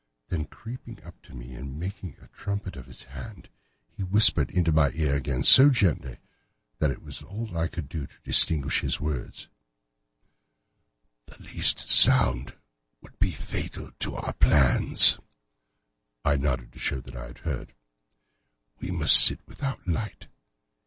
Then creeping up to me and making a trumpet of his hand, he whispered into my ear again so gently that it was all that I could do to distinguish the words: "The least sound would be fatal to our plans." I nodded to show that I had heard. "We must sit without light.